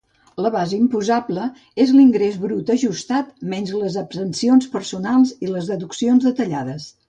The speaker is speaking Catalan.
La base imposable és l'ingrés brut ajustat menys les exempcions personals i les deduccions detallades.